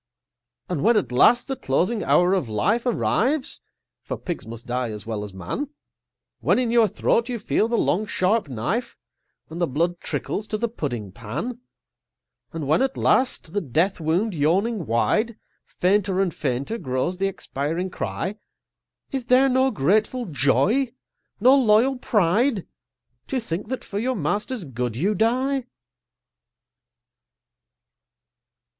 And when, at last, the closing hour of life Arrives (for Pigs must die as well as Man), When in your throat you feel the long sharp knife, And the blood trickles to the pudding pan; And when, at last, the death wound yawning wide, Fainter and fainter grows the expiring cry, Is there no grateful joy, no loyal pride, To think that for your master's good you die?